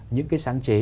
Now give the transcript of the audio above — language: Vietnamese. những cái sáng chế